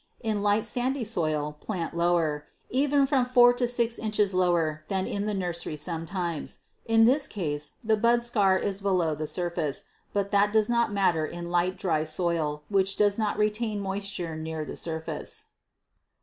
In light, sandy soil, plant lower even from four to six inches lower than in the nursery sometimes. In this case the budscar is below the surface, but that does not matter in a light, dry soil which does not retain moisture near the surface.